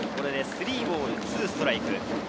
３ボール２ストライク。